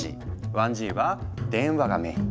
１Ｇは電話がメイン。